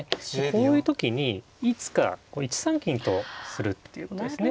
こういう時にいつか１三金とするっていうことですね。